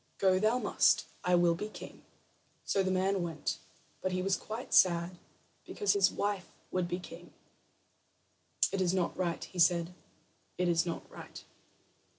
"Go thou must. I will be king." So the man went; but he was quite sad because his wife would be king. "It is not right," he said; "it is not right."